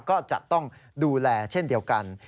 ก็จะต้องดูแลเช่นเดียวกัน